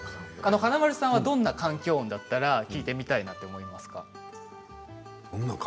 華丸さんだったらどんな環境音だったら聞いてみたいと思いますか？